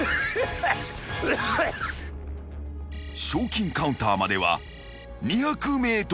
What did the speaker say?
［賞金カウンターまでは２００ｍ］